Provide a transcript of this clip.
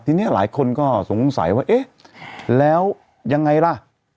ทีนี้หลายคนก็สงสัยว่าเอ๊ะแล้วยังไงล่ะ